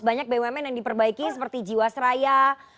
banyak bumn yang diperbaiki seperti jiwa fraya